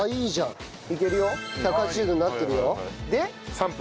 ３分。